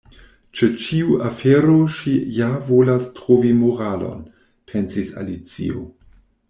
"Ĉe ĉiu afero ŝi ja volas trovi moralon," pensis Alicio.